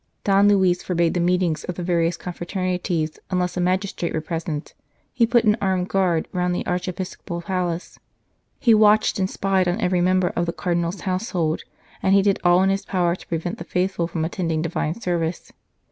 Don Luis forbade the meetings of the various confraternities unless a magistrate were present ; he put an armed guard round the archiepiscopal palace ; he watched and spied on every member 107 St. Charles Borromeo of the Cardinal s household ; and he did all in his power to prevent the faithful from attending Divine service.